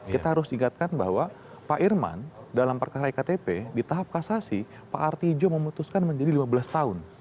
kita harus ingatkan bahwa pak irman dalam perkara iktp di tahap kasasi pak artijo memutuskan menjadi lima belas tahun